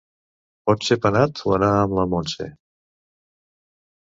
Pot ser penat o anar amb la Montse.